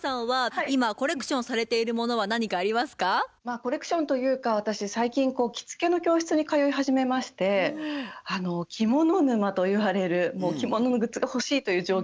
コレクションというか私最近着付けの教室に通い始めまして着物沼といわれるもう着物のグッズが欲しいという状況になっています。